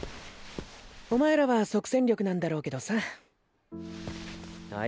お前らは即戦力なんだろうけどさあ